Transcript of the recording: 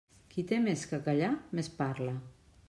Qui té més que callar més parla.